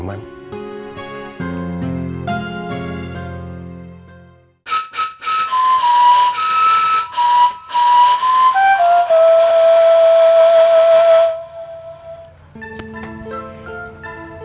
gak ada apa apa